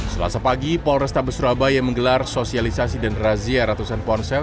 selasa pagi polrestabes surabaya menggelar sosialisasi dan razia ratusan ponsel